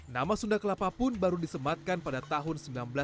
nama sunda kelapa pun baru disematkan pada tahun seribu sembilan ratus delapan puluh